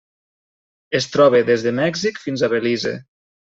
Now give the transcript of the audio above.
Es troba des de Mèxic fins a Belize.